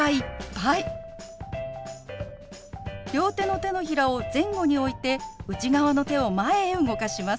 両手の手のひらを前後に置いて内側の手を前へ動かします。